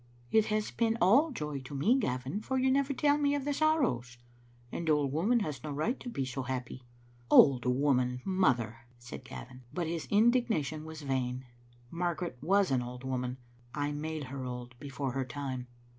" It has been all joy to me, Gavin, for you never tell me of the sorrows. An old woman has no right to be so happy." "Old woman, mother!" said Gavin. But his indig nation was vain. Margaret was an old woman. I made her old before her time.